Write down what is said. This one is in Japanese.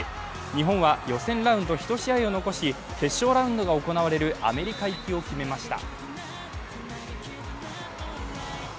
日本は予選ラウンド１試合を残し決勝ラウンドが行われるアメリカ行きを決めました。